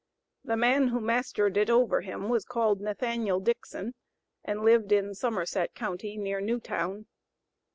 The man who mastered it over him was called Nathaniel Dixon, and lived in Somerset Co., near Newtown.